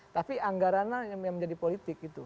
tapi anggarannya yang menjadi politik gitu